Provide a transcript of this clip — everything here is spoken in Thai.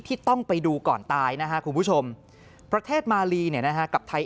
ต้องไปดูก่อนตายนะฮะคุณผู้ชมประเทศมาลีเนี่ยนะฮะกับไทย